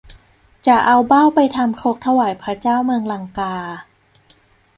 จะเอาเบ้าไปทำครกถวายพระเจ้าเมืองลังกา